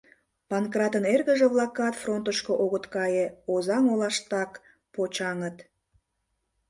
Панкратын эргыже-влакат фронтышко огыт кае, Озаҥ олаштак почаҥыт.